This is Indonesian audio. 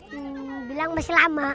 hmm bilang masih lama